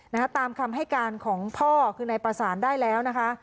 นะคะตามคำให้การของพ่อคือนายประสานได้แล้วนะคะ